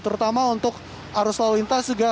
terutama untuk arus lalu lintas juga